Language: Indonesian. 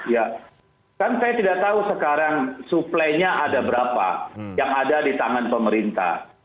ya kan saya tidak tahu sekarang suplainya ada berapa yang ada di tangan pemerintah